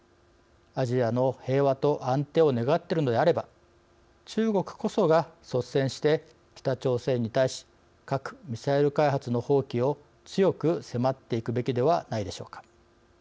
アジアの平和と安定を願っているのであれば中国こそが率先して北朝鮮に対し核・ミサイル開発の放棄を強く迫っていくべきではないでしょうか。